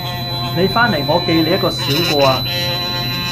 你翻嚟我記你一個小過呀